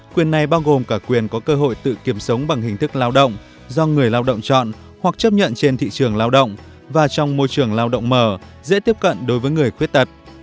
quyền này bao gồm cả quyền có cơ hội tự kiểm sống bằng hình thức lao động do người lao động chọn hoặc chấp nhận trên thị trường lao động và trong môi trường lao động mở dễ tiếp cận đối với người khuyết tật